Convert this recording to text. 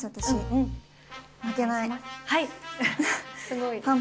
すごい。